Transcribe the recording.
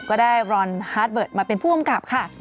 ก็ได้รอนฮาร์ดเบิร์ตมาเป็นผู้กำกับค่ะ